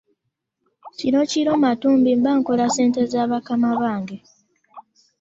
kirokiro matumbi mba nkola sente za bakama bange .